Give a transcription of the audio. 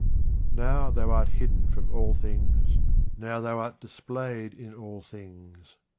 Now Thou art hidden from all things, now Thou art displayed in all things.